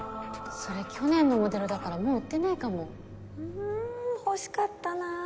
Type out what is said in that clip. それ去年のモデルだからもう売ってないかん欲しかったなぁ